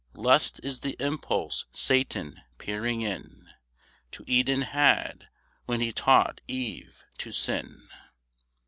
Lust is the impulse Satan peering in To Eden had, when he taught Eve to sin.